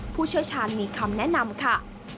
ผู้เชี่ยวชาญมีคำแนะนำค่ะ